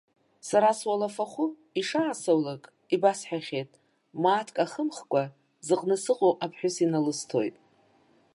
Сара суалафахәы, ишаасоулак, ибасҳәахьеит, мааҭк ахымхкәа, зыҟны сыҟоу аԥҳәыс иналысҭоит.